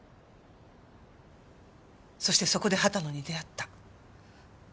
そしてそこで秦野に出会った。